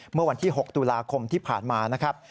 เมื่อวันที่๖ตุลาคมที่ผ่านมานะครับ